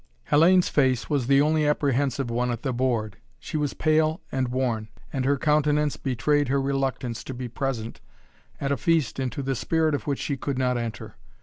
Hellayne's face was the only apprehensive one at the board. She was pale and worn, and her countenance betrayed her reluctance to be present at a feast into the spirit of which she could not enter.